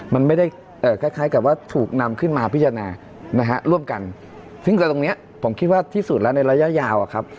มันไม่ได้คล้ายกับว่าถูกนำขึ้นมาพิจารณานะฮะร่วมกันซึ่งกันตรงนี้ผมคิดว่าที่สุดแล้วในระยะยาวอะครับ